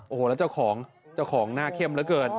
โอ้โหแล้วเจ้าของเจ้าของหน้าเข้มเหลือเกิน